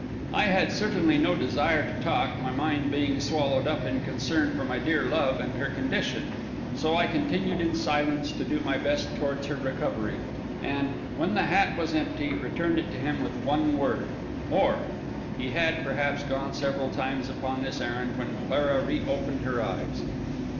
I had certainly no desire to talk, my mind being swallowed up in concern for my dear love and her condition; so I continued in silence to do my best towards her recovery, and, when the hat was empty, returned it to him, with one word—"More." He had, perhaps, gone several times upon this errand, when Clara reopened her eyes.